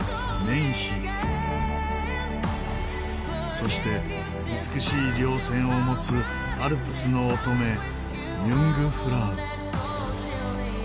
そして美しい稜線を持つアルプスの乙女ユングフラウ。